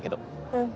うん。